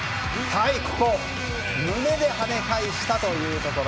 胸で跳ね返したというところ。